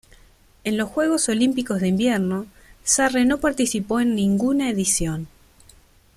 En los Juegos Olímpicos de Invierno Sarre no participó en ninguna edición.